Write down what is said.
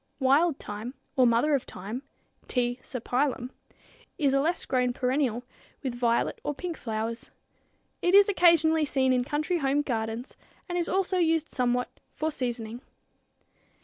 Wild thyme, or mother of thyme (T. serpyllum, Linn.), is a less grown perennial, with violet or pink flowers. It is occasionally seen in country home gardens, and is also used somewhat for seasoning.